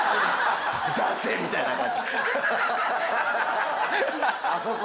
出せみたいな感じ。